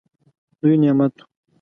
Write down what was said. لوی نعمت وو.